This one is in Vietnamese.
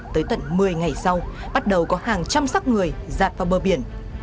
tới tận một mươi ngày sau bắt đầu có hàng trăm sắc người giạt vào bờ biển